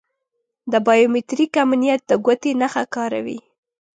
د بایو میتریک امنیت د ګوتې نښه کاروي.